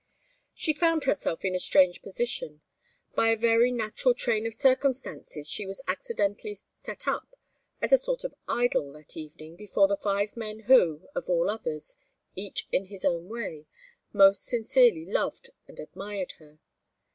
She found herself in a strange position. By a very natural train of circumstances she was accidentally set up as a sort of idol that evening before the five men who, of all others, each in his own way, most sincerely loved and admired her.